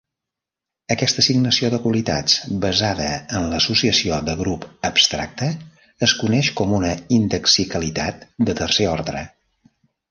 Aquesta assignació de qualitats basada en l'associació de grup abstracta es coneix com una indexicalitat de tercer ordre.